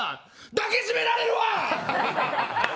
抱きしめられるわ！